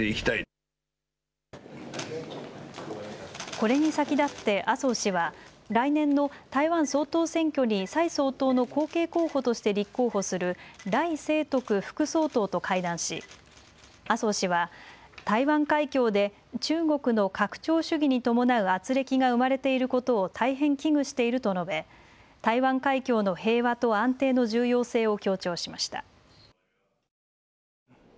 これに先立って麻生氏は来年の台湾総統選挙に蔡総統の後継候補として立候補する頼清徳副総統と会談し麻生氏は台湾海峡で中国の拡張主義に伴うあつれきが生まれていることを大変危惧していると述べ、台湾海峡の平和と安定の重要性を強調しました。